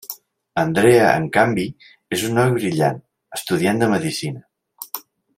Andrea en canvi és un noi brillant, estudiant de medicina.